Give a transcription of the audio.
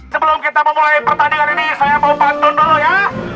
sebelum kita memulai pertandingan ini saya mau bantu dulu ya